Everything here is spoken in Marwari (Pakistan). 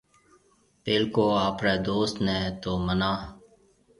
پيلڪو آپريَ دوست نَي تو مَنا